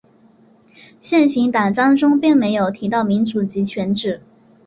现行党章中并没有提到民主集权制。